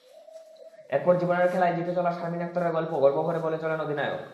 এরপর জীবনের খেলায় জিতে চলা শারমিন আক্তারের গল্প গর্বভরে বলে চলেন অধিনায়ক।